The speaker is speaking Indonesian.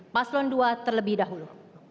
paslon dua terlebih dahulu